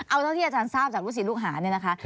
เอาเท่าที่อาจารย์ทราบจากลูกศิษย์ลูกหาเนี่ยนะคะ